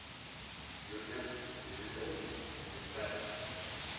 Je viens (des États-Unis, d'Espagne).